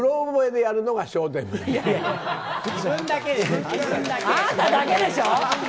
あなただけでしょ！